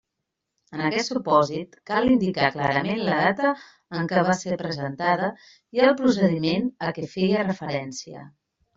En aquest supòsit, cal indicar clarament la data en què va ser presentada i el procediment a què feia referència.